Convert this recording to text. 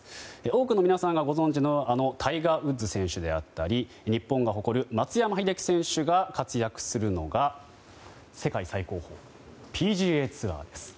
多くの皆さんがご存じのタイガー・ウッズ選手であったり日本が誇る松山英樹選手が活躍するのが世界最高峰、ＰＧＡツアーです。